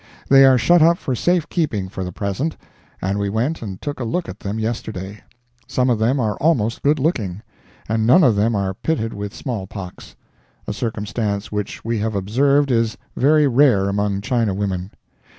They are shut up for safe keeping for the present, and we went and took a look at them yesterday; some of them are almost good looking, and none of them are pitted with small pox—a circumstance which we have observed is very rare among China women.